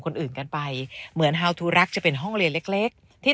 คนอื่นกันไปเหมือนฮาวทูรักจะเป็นห้องเรียนเล็กเล็กที่